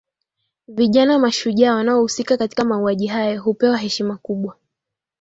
vijana mashujaa wanaohusika katika mauaji hayo hupewa heshima kubwa